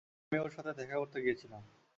আমি ওর সাথে দেখা করতে গিয়েছিলাম।